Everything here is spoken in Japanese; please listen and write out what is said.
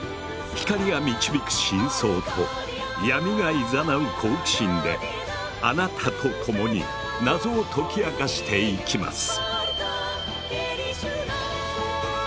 光が導く真相と闇が誘う好奇心であなたと共に謎を解き明かしていきます。